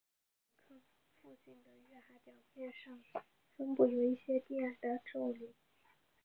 该陨坑附近的月海表面上分布有一些低矮的皱岭。